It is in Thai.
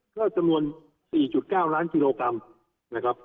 ก็จะมวล๔๙ล้านกิโลกำนะครับ